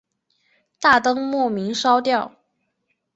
大灯莫名烧掉